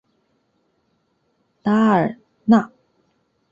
拉尔纳。